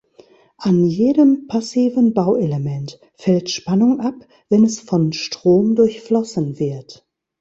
An jedem passiven Bauelement fällt Spannung ab, wenn es von Strom durchflossen wird.